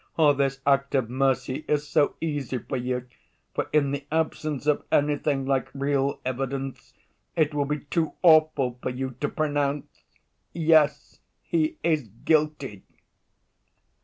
Oh, this act of mercy is so easy for you, for in the absence of anything like real evidence it will be too awful for you to pronounce: 'Yes, he is guilty.